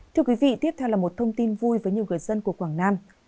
thưa quý vị tiếp theo là một thông tin vui với nhiều người dân của quảng nam